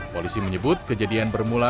polisi menyebut kejadian bermula